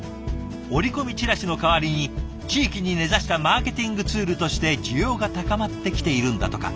折り込みチラシの代わりに地域に根ざしたマーケティングツールとして需要が高まってきているんだとか。